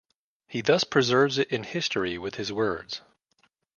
He thus preserves it in history with his words.